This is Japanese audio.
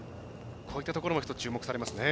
こういったところも注目されますね。